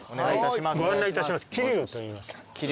ご案内いたします桐生といいます。